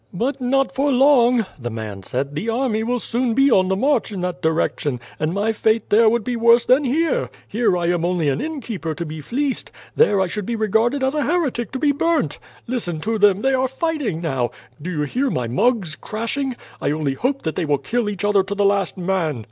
"But not for long," the man said. "The army will soon be on the march in that direction, and my fate there would be worse than here. Here I am only an innkeeper to be fleeced; there I should be regarded as a heretic to be burnt. Listen to them. They are fighting now. Do you hear my mugs crashing? I only hope that they will kill each other to the last man.